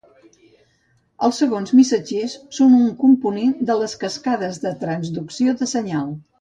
Els segons missatgers són un component de les cascades de transducció de senyal.